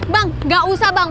bang enggak usah bang